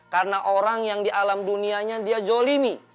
karena orang yang di alam dunianya dia jolimi